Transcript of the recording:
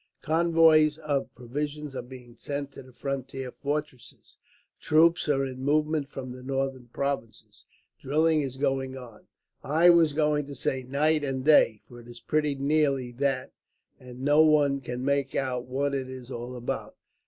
"Convoys of provisions are being sent to the frontier fortresses. Troops are in movement from the Northern Provinces. Drilling is going on I was going to say night and day, for it is pretty nearly that and no one can make out what it is all about.